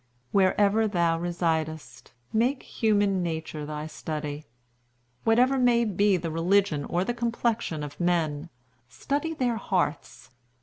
"Wherever thou residest, make human nature thy study. Whatever may be the religion or the complexion of men, study their hearts.